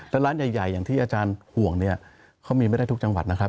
แล้วร้านใหญ่อย่างที่อาจารย์ห่วงเนี่ยเขามีไม่ได้ทุกจังหวัดนะครับ